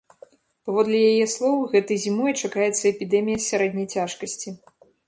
Паводле яе слоў, гэтай зімой чакаецца эпідэмія сярэдняй цяжкасці.